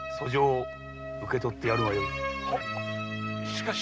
しかし。